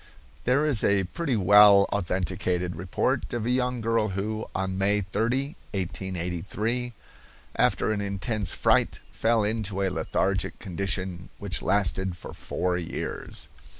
There is a pretty well authenticated report of a young girl who, on May 30, 1883, after an intense fright, fell into a lethargic condition which lasted for four years.